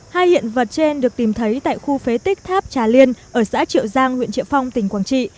hai hiện vật trên được tìm thấy tại khu phế tích tháp trà liên ở xã triệu giang huyện triệu phong tỉnh quảng trị